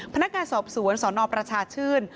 พนักงานสอบสวนสนประชาชื่น